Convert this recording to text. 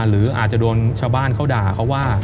หรืออาจจะโดนชาวบ้านเขาด่าเขาว่า